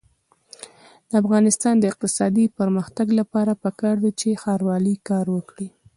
د افغانستان د اقتصادي پرمختګ لپاره پکار ده چې ښاروالي کار وکړي.